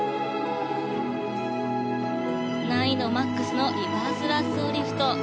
難易度マックスのリバースラッソーリフト。